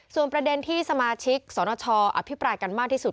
ส่วนประเด็นที่สมาชิกสนชอภิปรายกันมากที่สุด